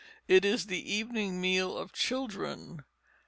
It is the evening meal of children.